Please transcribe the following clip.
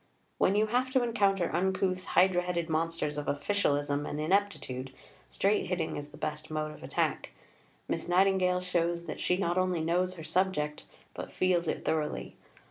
When you have to encounter uncouth, hydra headed monsters of officialism and ineptitude, straight hitting is the best mode of attack. Miss Nightingale shows that she not only knows her subject, but feels it thoroughly.